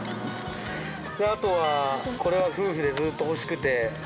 あとはこれは夫婦でずっと欲しくて。